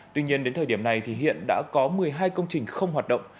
tuy nhiên đến thời điểm này thì hiện đã có một mươi hai công trình không hoạt động